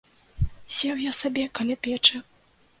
Сеў я сабе каля печы.